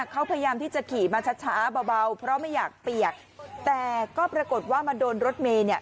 เขาพยายามที่จะขี่มาช้าช้าเบาเพราะไม่อยากเปียกแต่ก็ปรากฏว่ามาโดนรถเมย์เนี่ย